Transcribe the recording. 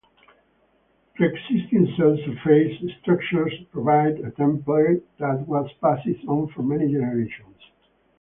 Preexisting cell surface structures provided a template that was passed on for many generations.